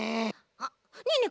あっねえねえ